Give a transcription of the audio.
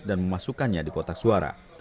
dan memasukkannya di kotak suara